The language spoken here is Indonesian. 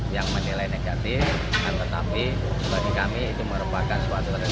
yang menilai negatif tetapi bagi kami itu merupakan suatu resipi yang